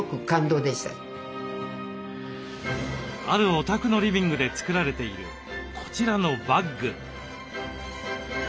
あるお宅のリビングで作られているこちらのバッグ。